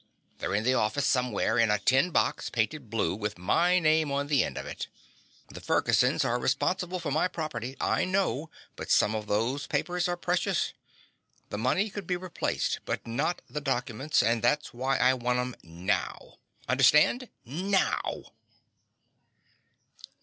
They're in the office, somewhere, in a tin box painted blue, with my name on the end of it. The Fergusons are responsible for my property, I know, but some of those papers are precious. The money could be replaced, but not the documents, and that's why I want 'em now. Understand? Now!"